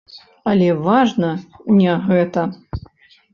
Але важна не гэта.